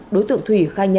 đối tượng thuốc nổ công nghiệp